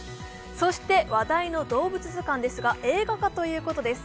そして話題の動物図鑑ですが映画化ということです。